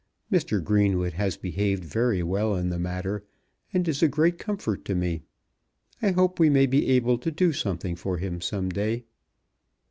Mr. Greenwood has behaved very well in the matter, and is a great comfort to me. I hope we may be able to do something for him some day.